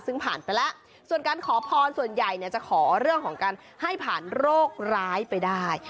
ซึ่งผ่านไปแล้วส่วนการขอพรส่วนใหญ่เนี่ยจะขอเรื่องของการให้ผ่านโรคร้ายไปได้